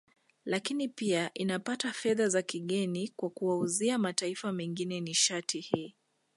Lakini pia inapata fedha za kigeni kwa kuwauzia mataifa mengine nishati hii